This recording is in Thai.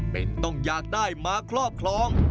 เป็นต้องอยากได้มาครอบครอง